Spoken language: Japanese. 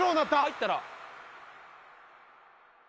入ったら。